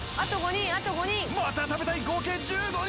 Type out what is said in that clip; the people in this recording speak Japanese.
「また食べたい」合計１５人！